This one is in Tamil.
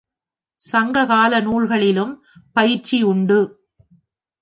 சங்ககால நூல்களிலும் பயிற்சி உண்டு.